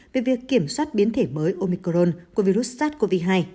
về việc kiểm soát biến thể mới omicron của virus sars cov hai